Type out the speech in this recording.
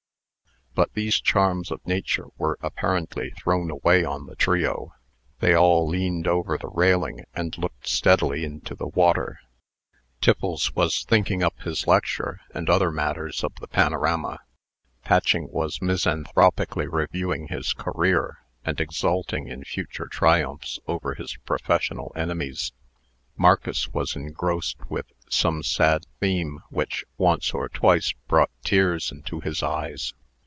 But these charms of nature were apparently thrown away on the trio. They all leaned over the railing, and, looked steadily into the water. Times was thinking up his lecture, and other matters of the panorama. Patching was misanthropically reviewing his career, and exulting in future triumphs over his professional enemies. Marcus was engrossed with some sad theme which, once or twice, brought tears into his eyes.